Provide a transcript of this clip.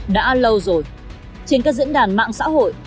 đã lâu rồi trên các diễn đàn mạng xã hội